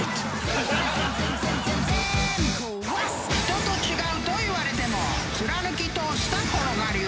［人と違うと言われても貫き通したこの我流］